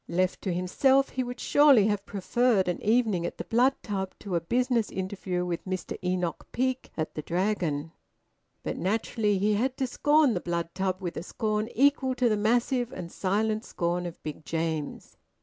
Left to himself, he would surely have preferred an evening at the Blood Tub to a business interview with Mr Enoch Peake at the Dragon. But naturally he had to scorn the Blood Tub with a scorn equal to the massive and silent scorn of Big James.